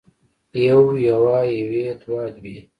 يو يوه يوې دوه دوې